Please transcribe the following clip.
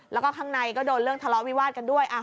แล้วก็ข้างในก็โดนเรื่องทะเลาะวิวาดกันด้วย